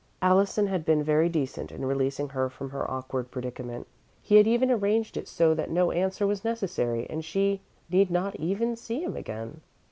Allison had been very decent in releasing her from her awkward predicament. He had even arranged it so that no answer was necessary and she need not even see him again.